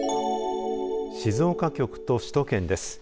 静岡局と首都圏です。